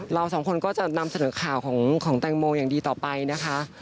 เราสองคนก็จะนำเสนอข่าวของแตงโมอย่างดีต่อไปนะคะ